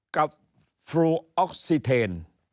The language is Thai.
ฟลูออกซิเทน